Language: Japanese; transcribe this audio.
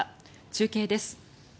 中継です。